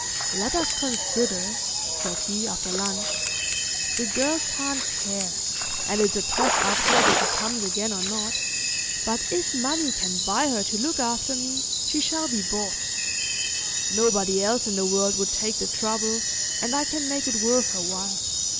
"Let us consider," said he, after lunch. "The girl can't care, and it's a toss up whether she comes again or not, but if money can buy her to look after me she shall be bought. Nobody else in the world would take the trouble, and I can make it worth her while.